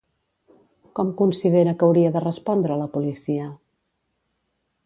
Com considera que hauria de respondre la policia?